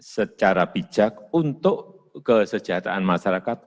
secara bijak untuk kesejahteraan masyarakat